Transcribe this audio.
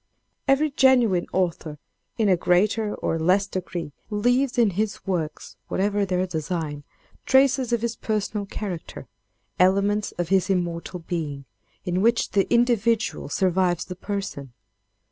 "Every genuine author in a greater or less degree leaves in his works, whatever their design, traces of his personal character: elements of his immortal being, in which the individual survives the person.